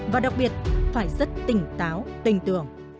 và đặc biệt phải rất tỉnh táo tình tưởng